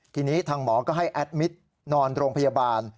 ทีนี้ทางหมอก็ให้แอดมิตรนอนโรงพยาบาล